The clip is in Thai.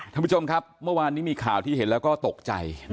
ท่านผู้ชมครับเมื่อวานนี้มีข่าวที่เห็นแล้วก็ตกใจ